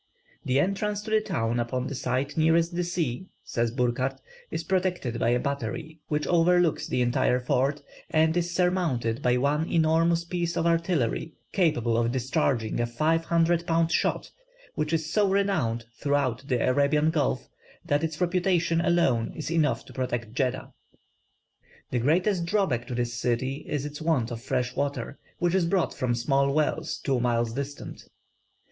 "The entrance to the town, upon the side nearest the sea," says Burckhardt, "is protected by a battery which overlooks the entire fort, and is surmounted by one enormous piece of artillery capable of discharging a five hundred pound shot, which is so renowned throughout the Arabian Gulf, that its reputation alone is enough to protect Jeddah." The greatest drawback to this city is its want of fresh water, which is brought from small wells two miles distant.